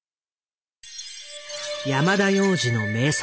山田洋次の名作